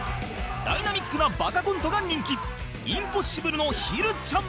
ダイナミックなバカコントが人気インポッシブルのひるちゃん